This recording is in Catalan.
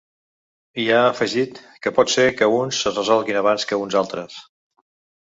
I ha afegit que pot ser que uns es resolguin abans que uns altres.